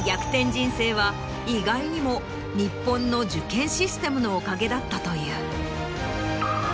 人生は意外にも日本の受験システムのおかげだったという。